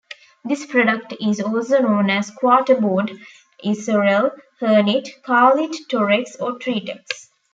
This product is also known as Quartrboard, Isorel, hernit, karlit, torex or treetex.